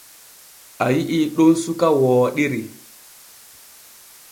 A yi’ii ɗon suka wooɗiri.